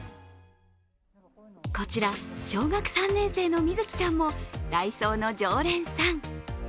こちら小学３年生の瑞希ちゃんもダイソーの常連さん。